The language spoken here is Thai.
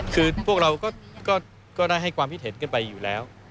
คือพวกเราก็ได้ให้ความคิดเห็นกันไปอยู่แล้ว